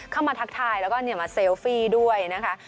ทักทายแล้วก็มาเซลฟี่ด้วยนะคะ